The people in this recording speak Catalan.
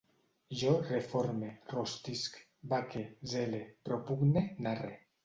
Jo reforme, rostisc, vaque, zele, propugne, narre